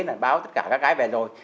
là báo tất cả các cái về rồi